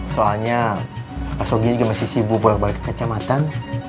soalnya pak sogi juga masih sibuk balik balik ke kecamatan